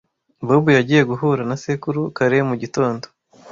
Bob yagiye guhura na sekuru kare mu gitondo.